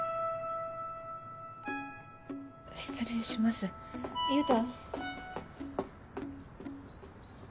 失礼します優太。